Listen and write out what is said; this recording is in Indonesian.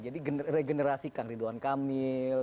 jadi regenerasikan ridwan kamil